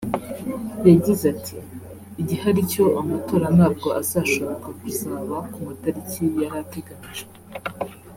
yagize ati “‘Igihari cyo amatora ntabwo azashoboka kuzaba ku matariki yari ateganyijwe